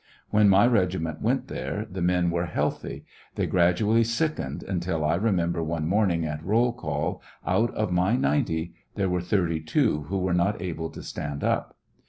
When my regiment went there the men were healthy, they gradually sickened, until I remember one morning at roll call out of my 90 there were 32 who were not able to stand up.